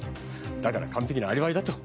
だから完璧なアリバイだと。